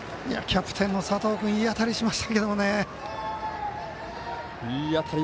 キャプテンの佐藤君いい当たりしましたけどね。